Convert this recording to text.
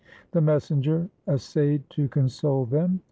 The messenger essayed to console them.